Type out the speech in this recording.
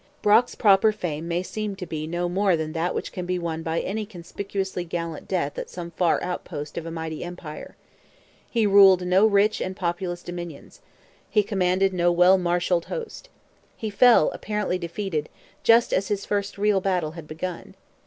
Brock's proper fame may seem to be no more than that which can be won by any conspicuously gallant death at some far outpost of a mighty empire. He ruled no rich and populous dominions. He commanded no well marshalled host. He fell, apparently defeated, just as his first real battle had begun.